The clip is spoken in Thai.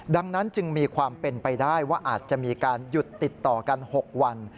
ดังนั้นจึงมีความเป็นไปได้ว่าอาจจะมีการหยุดติดต่อกัน๖วัน